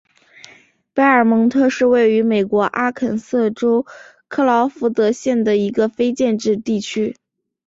贝尔蒙特是位于美国阿肯色州克劳福德县的一个非建制地区。